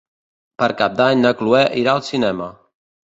Per Cap d'Any na Chloé irà al cinema.